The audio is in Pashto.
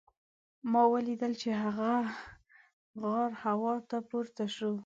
ما ولیدل چې هغه غر هوا ته پورته شو.